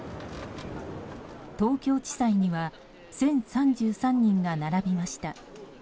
東京地裁には１０３３人が並びました。